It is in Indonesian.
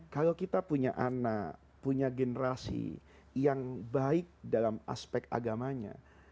kalau kita punya anak punya generasi yang baik dalam aspek agamanya